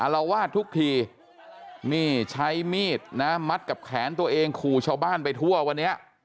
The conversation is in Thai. ละวาดทุกทีนี่ใช้มีดนะมัดกับแขนตัวเองขู่ชาวบ้านไปทั่ววันนี้